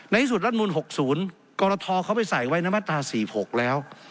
ในที่สุดรับนูล๖๐กรทเขาไปใส่วัยน้ำตา๔๖แล้ว